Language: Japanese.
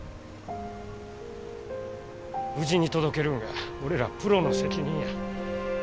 無事に届けるんが俺らプロの責任や。